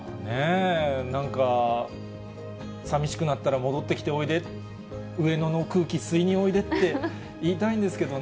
なんか、寂しくなったら戻ってきておいで、上野の空気、吸いにおいでって言いたいんですけどね。